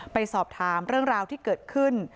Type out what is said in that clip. ไปสอบถามเรื่องราวที่เกิดขึ้น